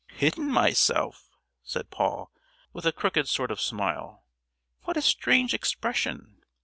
"Hidden myself?" said Paul, with a crooked sort of a smile. "What a strange expression!